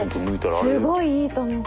すごいいいと思って。